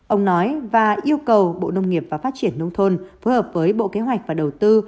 ông nói và yêu cầu bộ nông nghiệp và phát triển nông thôn phối hợp với bộ kế hoạch và đầu tư